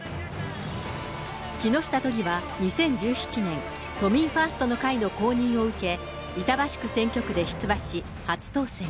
木下都議は２０１７年、都民ファーストの会の公認を受け、板橋区選挙区で出馬し、初当選。